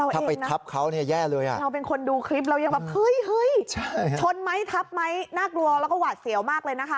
ถ้าไปทับเขาเนี่ยแย่เลยอ่ะเราเป็นคนดูคลิปเรายังแบบเฮ้ยชนไหมทับไหมน่ากลัวแล้วก็หวาดเสียวมากเลยนะคะ